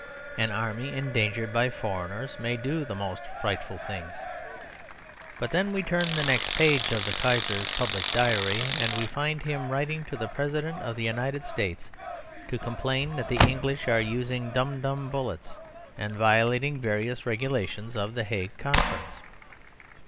An army endangered by foreigners may do the most frightful things. But then we turn the next page of the Kaiser's public diary, and we find him writing to the President of the United States, to complain that the English are using Dum dum bullets and violating various regulations of the Hague Conference.